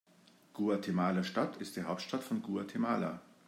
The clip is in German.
Guatemala-Stadt ist die Hauptstadt von Guatemala.